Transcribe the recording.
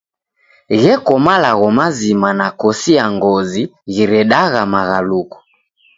Gheko malagho mazima nakosi ya ngozi ghiredagha maghaluko.